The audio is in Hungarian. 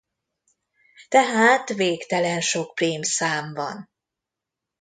Tehát végtelen sok prímszám van.